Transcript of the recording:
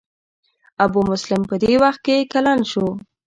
ابو مسلم په دې وخت کې کلن و.